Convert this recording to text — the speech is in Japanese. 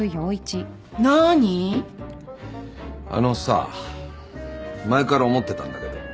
あのさ前から思ってたんだけど。